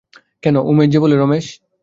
কেন, উমেশ যে বলে- রমেশ।